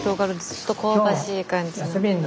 ちょっと香ばしい感じの。